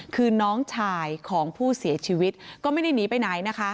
คือน้องชายของผู้เสียชีวิตก็ไม่ได้หนีไปไหนนะคะ